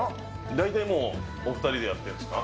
大体お２人でやってるんですか？